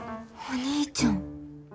お兄ちゃん。